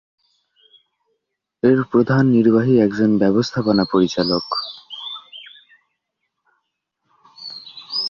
এর প্রধান নির্বাহী একজন ব্যবস্থাপনা পরিচালক।